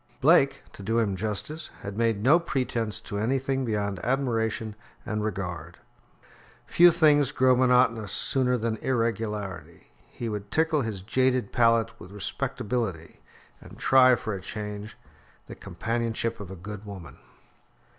Blake, to do him justice, had made no pretence to anything beyond admiration and regard. Few things grow monotonous sooner than irregularity. He would tickle his jaded palate with respectability, and try for a change the companionship of a good woman.